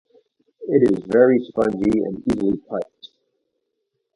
It is very spongy and easily cut.